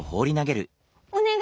おねがい！